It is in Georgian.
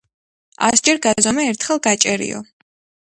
ასჯერ გაზომე ერთხელ გაჭერიო.